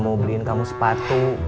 mau beliin kamu sepatu